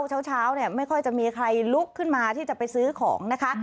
เช้าเนี่ยไม่ค่อยจะมีใครลุกขึ้นมาที่จะไปซื้อของนะคะ